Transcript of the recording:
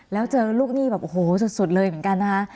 แล้วเจอลูกหนี้แบบโอ้โหสุดเลยเหมือนกันนะคะ